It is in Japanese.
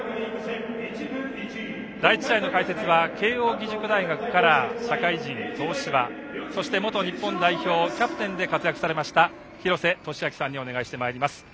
第１試合の解説は慶応義塾大学から社会人、東芝そして元日本代表キャプテンで活躍されました廣瀬俊朗さんにお願いしてまいります。